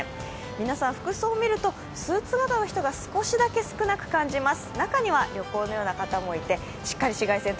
皆さん服装見るとスーツ姿の人が少しだけ少なく感じます。